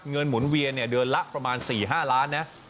หมุนเวียนเดือนละประมาณ๔๕ล้านนะ